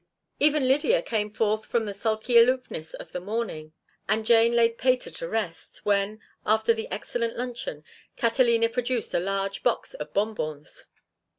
Even Lydia came forth from the sulky aloofness of the morning, and Jane laid Pater to rest, when, after the excellent luncheon, Catalina produced a large box of bonbons.